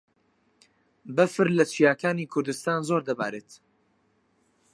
بەفر لە چیاکانی کوردستان زۆر دەبارێت.